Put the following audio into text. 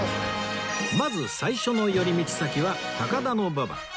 まず最初の寄り道先は高田馬場